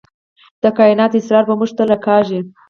د کائنات اسرار به موږ تل راکاږي.